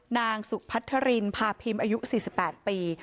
นางศุกริย์พะพริมอายุ๔๘ปี